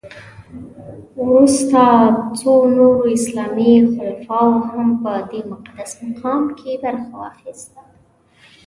وروسته څو نورو اسلامي خلفاوو هم په دې مقدس مقام کې برخه واخیسته.